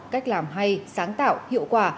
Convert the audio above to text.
cách làm hay sáng tạo hiệu quả